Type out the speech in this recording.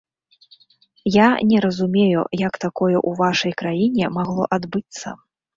Я не разумею, як такое ў вашай краіне магло адбыцца?